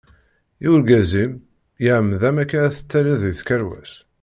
I urgaz-im? iɛemmed-am akka ad tettalliḍ di tkerwas?